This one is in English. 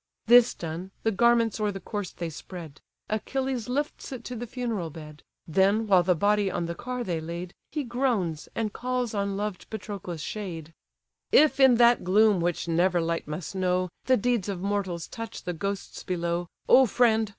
This done, the garments o'er the corse they spread; Achilles lifts it to the funeral bed: Then, while the body on the car they laid, He groans, and calls on loved Patroclus' shade: "If, in that gloom which never light must know, The deeds of mortals touch the ghosts below, O friend!